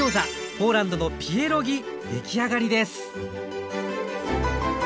ポーランドのピエロギ出来上がりです